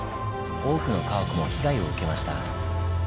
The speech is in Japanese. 多くの家屋も被害を受けました。